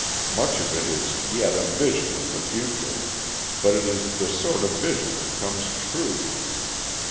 Much of it is yet a vision of the future, but it is the sort of vision that comes true.